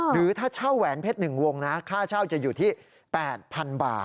หรือถ้าเช่าแหวนเพชร๑วงนะค่าเช่าจะอยู่ที่๘๐๐๐บาท